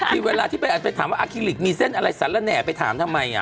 มีเวลาที่ไปถามว่าอาคิลิกมีเส้นอะไรสาระแหน่ไปถามทำไม